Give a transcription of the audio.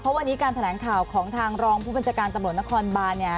เพราะว่าวันนี้การแถนข่าวของทางรองผู้บัญชการตำรวจนครบาล